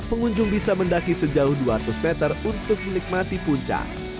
pengunjung bisa mendaki sejauh dua ratus meter untuk menikmati puncak